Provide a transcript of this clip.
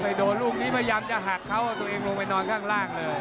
โดนลูกนี้พยายามจะหักเขาเอาตัวเองลงไปนอนข้างล่างเลย